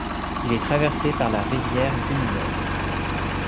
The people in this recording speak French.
Il est traversé par la rivière Bunowen.